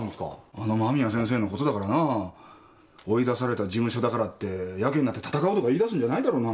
あの間宮先生のことだから追い出された事務所だからってやけになって闘うとか言いだすんじゃないだろうな。